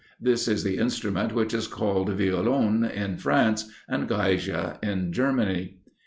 This is the instrument which was called Violon in France, and Geige in Germany.